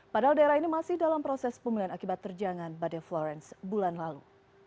padahal daerah ini masih dalam proses pemulihan akibat terjangan badai florence bulan lalu